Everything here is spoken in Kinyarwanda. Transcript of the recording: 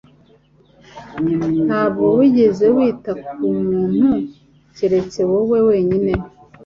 Ntabwo wigeze wita kumuntu keretse wowe wenyine